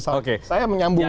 saya menyambung ini